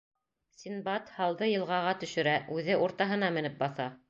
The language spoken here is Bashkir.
Синдбад һалды йылғаға төшөрә, үҙе уртаһына менеп баҫа.